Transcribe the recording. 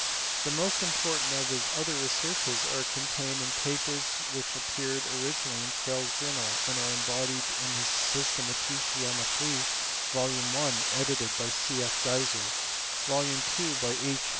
The most im portant of his other researches are contained in papers which appeared originally in Crelle s Journal, and are embodied in his tiynthetische Geometric, vol. I. edited by C. F. Geiser, vol. ii. by H.